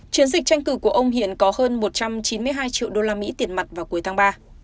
chiến dịch tranh cử của ông hiện có hơn một trăm chín mươi hai triệu đô la mỹ tiền mặt vào cuối tháng ba